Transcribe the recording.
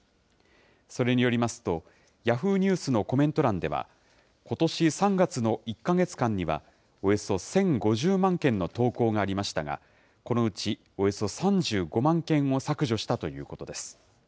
それによりますと、ヤフーニュースのコメント欄では、ことし３月の１か月間には、およそ１０５０万件の投稿がありましたが、このうちおよそ３５万件を削除したということです。